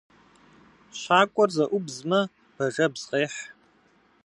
Щакӏуэр зэӏубзмэ, бажэбз къехь.